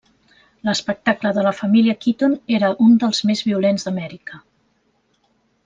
L'espectacle de la família Keaton era un dels més violents d'Amèrica.